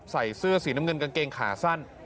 ใส่เสื้อสีน้ำเงินกางเกงขาสั้น